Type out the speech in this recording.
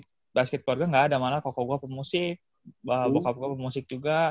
kalau basket keluarga enggak ada malah koko gue pemusik bokap gue pemusik juga